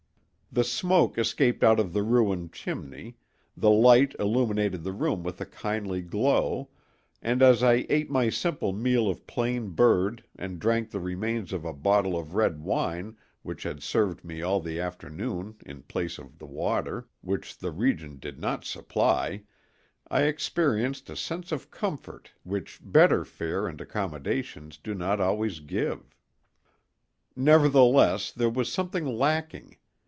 The smoke escaped out of the ruined chimney, the light illuminated the room with a kindly glow, and as I ate my simple meal of plain bird and drank the remains of a bottle of red wine which had served me all the afternoon in place of the water, which the region did not supply, I experienced a sense of comfort which better fare and accommodations do not always give. Nevertheless, there was something lacking.